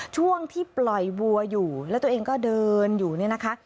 ช่วงที่ปล่อยวัวอยู่แล้วตัวเองก็เดินอยู่เนี่ยนะคะ